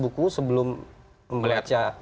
buku sebelum membaca